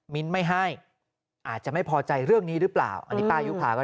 ไม่ให้อาจจะไม่พอใจเรื่องนี้หรือเปล่าอันนี้ป้ายุภาก็